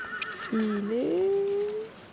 いいね。